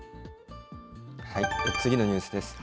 次のニュースです。